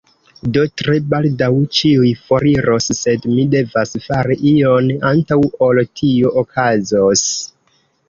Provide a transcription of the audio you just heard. Do, tre baldaŭ ĉiuj foriros sed mi devas fari ion antaŭ ol tio okazos